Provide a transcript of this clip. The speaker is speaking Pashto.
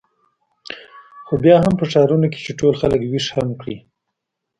خو بیا هم په ښارونو کې چې ټول خلک وېښ هم وي.